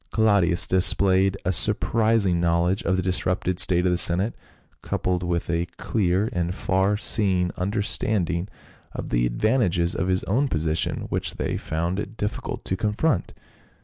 Claudius displayed a sur prising knowledge of the disrupted state of the senate, coupled with a clear and far seeing understanding of the advantages of his own position, which they found it difficult to confront.